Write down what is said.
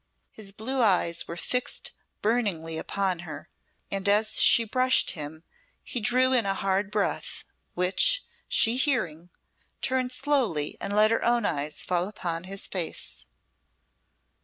His blue eyes were fixed burningly upon her, and as she brushed him he drew in a hard breath, which she hearing, turned slowly and let her own eyes fall upon his face.